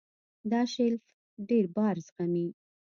دا شیلف ډېر بار زغمي.